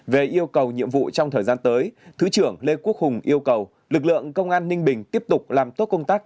về yêu cầu nhiệm vụ trong thời gian tới thứ trưởng lê quốc hùng yêu cầu lực lượng công an ninh bình tiếp tục làm tốt công tác